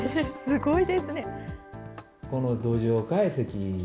すごいですね。